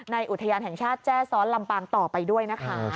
อุทยานแห่งชาติแจ้ซ้อนลำปางต่อไปด้วยนะคะ